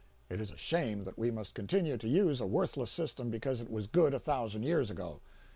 It is a shame that we must continue to use a worthless system because it was good a thousand years ago.